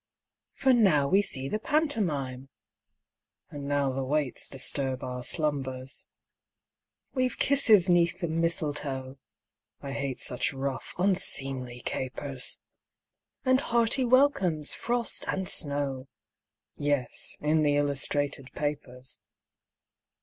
_) For now we see the pantomime, (And now the waits disturb our slumbers.) We've kisses 'neath the mistletoe (I hate such rough, unseemly capers!) And hearty welcomes, frost and snow; (_Yes, in the illustrated papers.